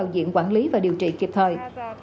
điều trị kịp thời